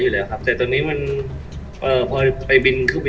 สวัสดีครับวันนี้เราจะกลับมาเมื่อไหร่